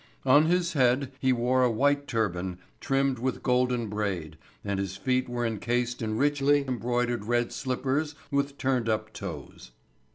On his head he wore a white turban trimmed with golden braid and his feet were encased in richly embroidered red slippers with turned up toes.